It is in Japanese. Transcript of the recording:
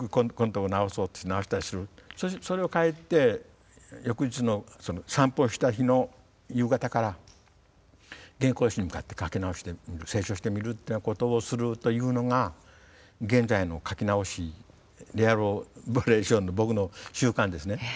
そしてそれを帰って翌日の散歩した日の夕方から原稿用紙に向かって書き直してみる清書してみるっていうようなことをするというのが現在の書き直しエラボレーションの僕の習慣ですね。